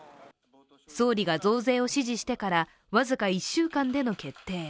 総理が増税を指示してから僅か１週間での決定。